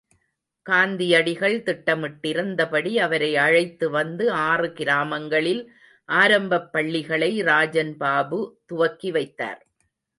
காந்தியடிகள் திட்டமிட்டிருந்தபடி அவரை அழைத்து வந்து ஆறு கிராமங்களில் ஆரம்பப் பள்ளிகளை ராஜன்பாபு துவக்கி வைத்தார்.